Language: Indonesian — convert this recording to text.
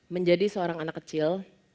menjadi seorang anak kecil